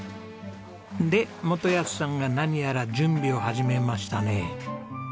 で基保さんが何やら準備を始めましたね。